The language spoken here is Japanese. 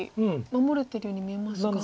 守れてるように見えますが。